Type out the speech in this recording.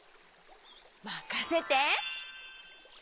まかせて！